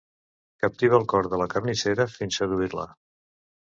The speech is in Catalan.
Captiva el cor de la carnissera fins seduir-la.